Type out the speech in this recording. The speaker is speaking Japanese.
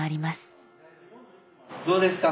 どうですか？